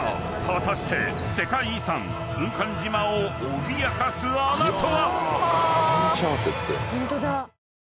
果たして世界遺産軍艦島を脅かす穴とは⁉］